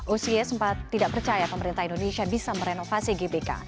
oc sempat tidak percaya pemerintah indonesia bisa merenovasi gbk